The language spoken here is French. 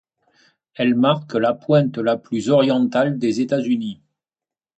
Elle marque la pointe la plus orientale des États-Unis.